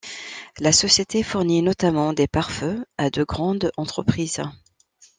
La société fournit notamment des pare-feu à de grandes entreprises.